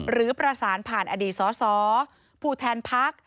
หรือร้าศานผ่านอดีตซ้อผู้แทนพัก